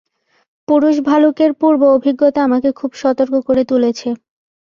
পুরুষ ভালুকের পূর্ব অভিজ্ঞতা আমাকে খুব সতর্ক করে তুলেছে।